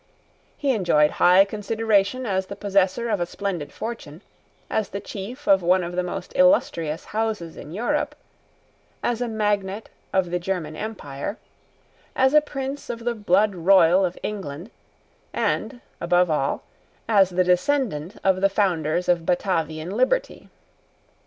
He enjoyed high consideration as the possessor of a splendid fortune, as the chief of one of the most illustrious houses in Europe, as a Magnate of the German empire, as a prince of the blood royal of England, and, above all, as the descendant of the founders of Batavian liberty.